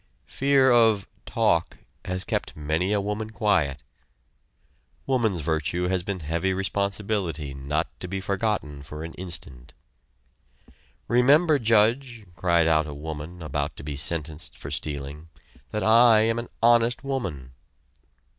Fear of "talk" has kept many a woman quiet. Woman's virtue has been heavy responsibility not to be forgotten for an instant. "Remember, Judge," cried out a woman about to be sentenced for stealing, "that I am an honest woman."